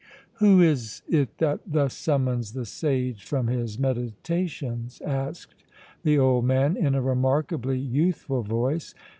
"Who is it that thus summons the sage from his meditations?" asked the old man, in a remarkably youthful voice.